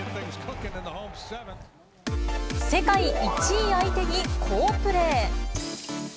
世界１位相手に好プレー。